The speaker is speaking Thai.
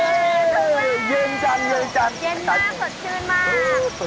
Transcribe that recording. เดินมาร้อนนี่ขึ้นมาถึงหนาวเลยค่ะ